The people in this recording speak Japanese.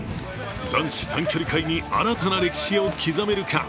男子短距離界に新たな歴史を刻めるか。